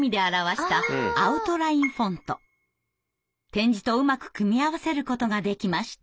点字とうまく組み合わせることができました。